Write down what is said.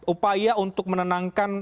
upaya untuk menenangkan